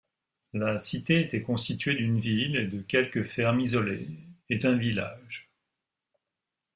La cité était constituée d'une ville et de quelques fermes isolées, et d'un village.